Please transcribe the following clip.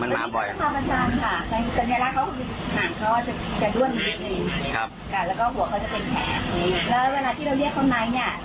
มันมาบ่อย